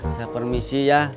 saya permisi ya